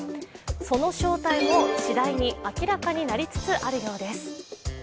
その正体もしだいに明らかになりつつあるようです。